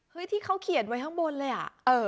ที่เขาเขียนไว้ข้างบนเลยอ่ะ